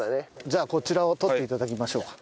じゃあこちらを採って頂きましょうか。